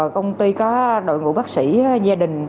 công ty có đội ngũ bác sĩ gia đình